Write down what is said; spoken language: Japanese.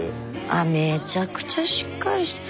あっめちゃくちゃしっかりして。